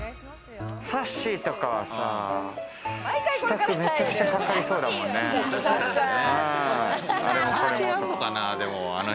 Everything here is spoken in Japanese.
さっしーとかはさ、支度、めちゃくちゃかかりそうだもんね。